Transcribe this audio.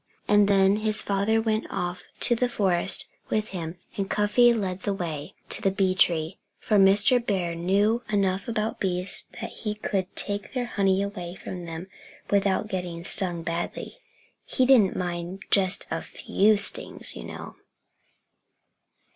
And then his father went off into the forest with him and Cuffy led the way to the bee tree; for Mr. Bear knew enough about bees so that he could take their honey away from them without getting stung badly. He didn't mind just a few stings, you know.